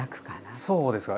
そうですか。